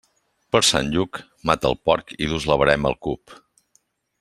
Per Sant Lluc, mata el porc i dus la verema al cup.